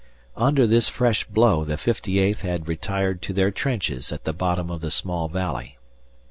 Under this fresh blow the 58th had retired to their trenches at the bottom of the small valley.